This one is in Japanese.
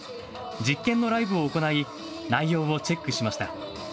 実験のライブを行い内容をチェックしました。